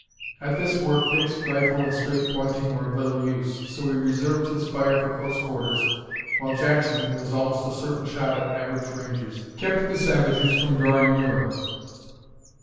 At this work Dick's rifle and straight pointing were of little use, so he reserved his fire for close quarters, while Jackson, who was almost a certain shot at average ranges, kept the savages from drawing nearer.